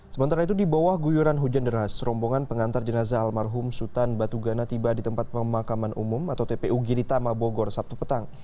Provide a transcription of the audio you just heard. sementara itu di bawah guyuran hujan deras rombongan pengantar jenazah almarhum sutan batugana tiba di tempat pemakaman umum atau tpu girita mabogor sabtu petang